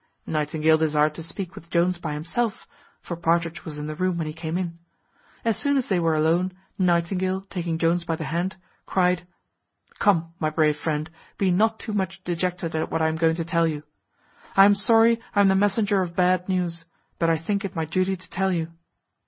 Nightingale desired to speak with Jones by himself (for Partridge was in the room when he came in). As soon as they were alone, Nightingale, taking Jones by the hand, cried, "Come, my brave friend, be not too much dejected at what I am going to tell you I am sorry I am the messenger of bad news; but I think it my duty to tell you."